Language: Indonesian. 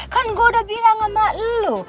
kan gua udah bilang sama lu